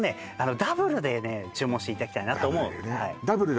ダブルでね注文していただきたいなと思う